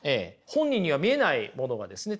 本人には見えないものがですね